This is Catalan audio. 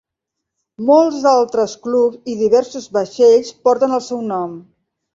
Molts altres clubs i diversos vaixells porten el seu nom.